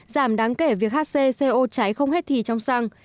giảm đáng kể việc hcco cháy không hết thì trong xăng